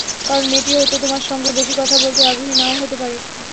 কারণ, মেয়েটি হয়তো তোমার সঙ্গে বেশি কথা বলতে আগ্রহী না–ও হতে পারে।